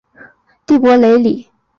蒂珀雷里。